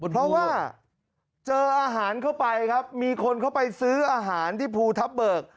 เพราะว่าเจออาหารเข้าไปครับมีคนเข้าไปซื้ออาหารที่ภูทับเบิก